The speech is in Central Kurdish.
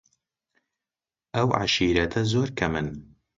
ئەو عەشیرەتە زۆر کەمن